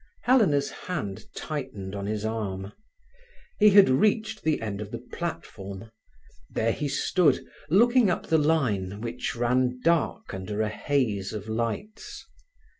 Helena's hand tightened on his arm. He had reached the end of the platform. There he stood, looking up the line which ran dark under a haze of lights.